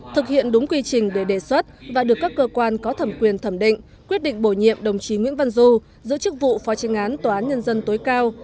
thực hiện đúng quy trình để đề xuất và được các cơ quan có thẩm quyền thẩm định quyết định bổ nhiệm đồng chí nguyễn văn du giữ chức vụ phó tranh án tòa án nhân dân tối cao